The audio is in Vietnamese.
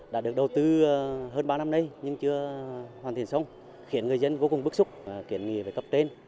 đã được đầu tư hơn ba năm nay nhưng chưa hoàn thiện xong khiến người dân vô cùng bức xúc kiện nghị với cấp trên